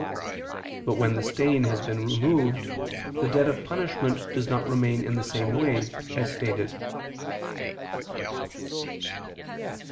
But when the stain has been removed, the debt of punishment does not remain in the same way, as stated.